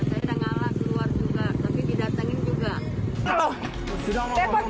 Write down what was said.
saya tengah lah keluar juga tapi didatengin juga